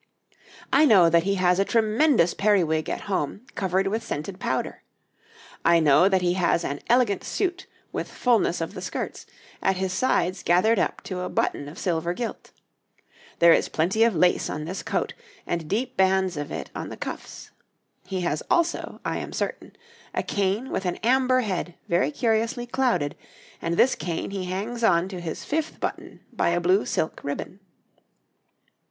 I know that he has a tremendous periwig at home covered with scented powder; I know that he has an elegant suit with fullness of the skirts, at his sides gathered up to a button of silver gilt; there is plenty of lace on this coat, and deep bands of it on the cuffs. He has also, I am certain, a cane with an amber head very curiously clouded, and this cane he hangs on to his fifth button by a blue silk ribbon.